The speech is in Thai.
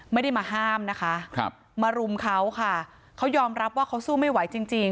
ไม่ได้มาห้ามนะคะครับมารุมเขาค่ะเขายอมรับว่าเขาสู้ไม่ไหวจริงจริง